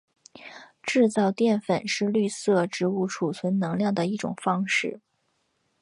制造淀粉是绿色植物贮存能量的一种方式。